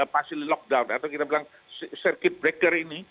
pasti lockdown atau kita bilang circuit breaker ini